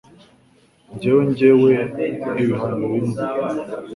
Jyewe Njyewe ibihano bimwe